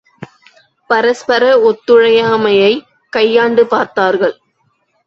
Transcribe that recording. பரஸ்பர ஒத்துழையாமையைக் கையாண்டு பார்த்தார்கள்.